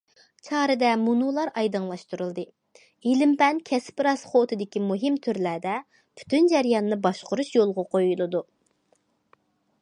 چارىدە مۇنۇلار ئايدىڭلاشتۇرۇلدى: ئىلىم- پەن كەسىپ راسخوتىدىكى مۇھىم تۈرلەردە، پۈتۈن جەرياننى باشقۇرۇش يولغا قويۇلىدۇ.